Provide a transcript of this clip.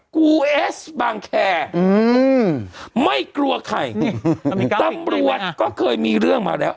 กูเอสบางแคร์ไม่กลัวใครตำรวจก็เคยมีเรื่องมาแล้ว